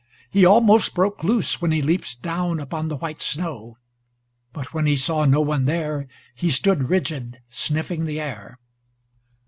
He almost broke loose when he leaped down upon the white snow, but when he saw no one there, he stood rigid, sniffing the air.